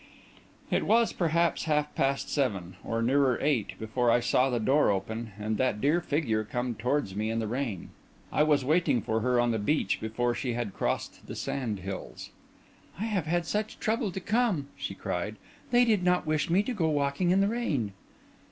It was, perhaps, half past seven, or nearer eight, before I saw the door open, and that dear figure come towards me in the rain. I was waiting for her on the beach before she had crossed the sand hills. "I have had such trouble to come!" she cried. "They did not wish me to go walking in the rain."